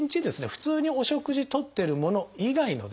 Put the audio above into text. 普通にお食事とってるもの以外のですね